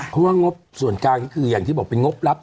เพราะว่างบส่วนกลางนี่คืออย่างที่บอกเป็นงบรับ